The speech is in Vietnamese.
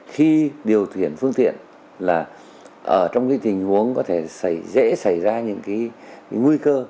khi điều khiển phương tiện là trong cái tình huống có thể dễ xảy ra những cái nguy cơ